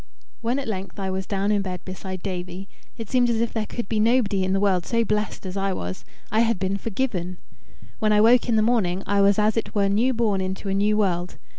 When at length I was down in bed beside Davie, it seemed as if there could be nobody in the world so blessed as I was: I had been forgiven. When I woke in the morning, I was as it were new born into a new world.